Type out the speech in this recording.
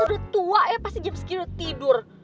udah tua ya pasti jam secure tidur